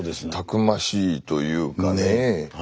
たくましいというかね